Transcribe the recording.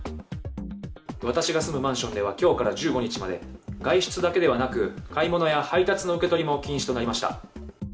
私が住むマンションでは今日から１５日まで外出だけではなく買い物や配達の受け取りも禁止となりました。